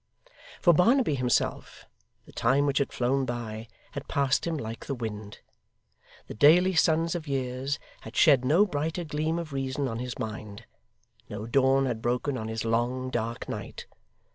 For Barnaby himself, the time which had flown by, had passed him like the wind. The daily suns of years had shed no brighter gleam of reason on his mind; no dawn had broken on his long, dark night.